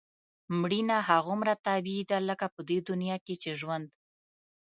مړینه هغومره طبیعي ده لکه په دې دنیا کې چې ژوند.